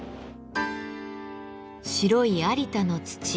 白い有田の土。